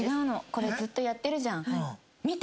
これずっとやってるじゃん。